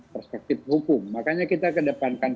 perspektif hukum makanya kita kedepankan